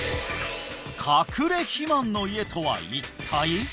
隠れ肥満の家とは一体？